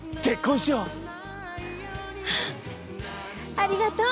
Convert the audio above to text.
ありがとう！